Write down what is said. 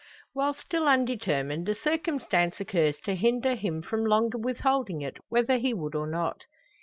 While still undetermined, a circumstance occurs to hinder him from longer withholding it, whether he would or not.